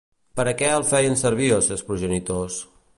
Per a què el feien servir els seus progenitors?